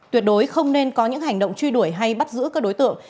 tuyệt đối không nên có những hành động truy đuổi hay bắt giữ các đối tượng